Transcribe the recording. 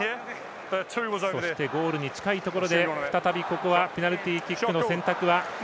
そしてゴールに近いところで再び、ペナルティキックの選択が。